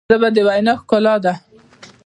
ژبه د وینا ښکلا ده.